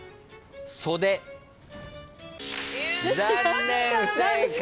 残念不正解。